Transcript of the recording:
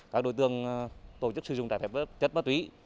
các đối tượng tổ chức sử dụng tài phạm chất ma túy